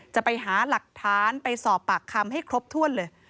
จะไปหาหลักฐานไปสอบปากคำให้ครบถ้วนเลย